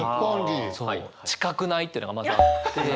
近くない？っていうのがまずあって。